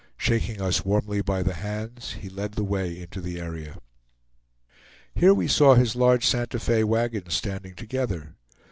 Shaking us warmly by the hands, he led the way into the area. Here we saw his large Santa Fe wagons standing together.